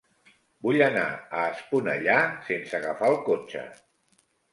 Vull anar a Esponellà sense agafar el cotxe.